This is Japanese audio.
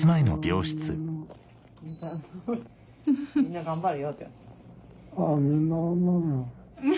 みんな頑張るよって。